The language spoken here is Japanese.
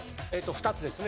２つですね。